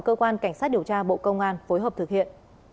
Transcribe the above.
công an phối hợp thực hiện